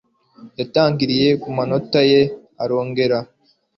yatangiriye kumanota ye, arongera